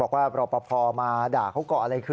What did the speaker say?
ด้วยความเคารพนะคุณผู้ชมในโลกโซเชียล